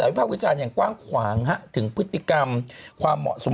ภาควิจารณ์อย่างกว้างขวางถึงพฤติกรรมความเหมาะสม